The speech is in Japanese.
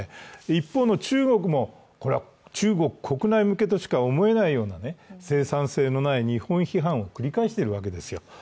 一方の中国も、中国国内向けとしか思えないような生産性のない日本批判を繰り返しているわけですよ。